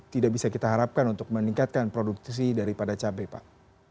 tidak bisa kita harapkan untuk meningkatkan produktivitas daripada cabai pak